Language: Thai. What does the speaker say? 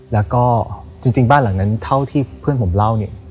แล้วก็จริงบ้านหลังนั้นเท่าที่เพื่อนผมเล่าเนี่ย